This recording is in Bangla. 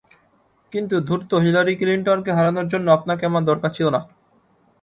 কিন্তু ধূর্ত হিলারি ক্লিনটনকে হারানোর জন্য আপনাকে আমার দরকার ছিল না।